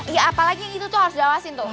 iya apalagi itu tuh harus jawasin tuh